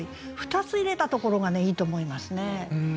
２つ入れたところがいいと思いますね。